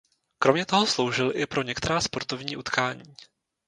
Kromě toho sloužil i pro některá sportovní utkání.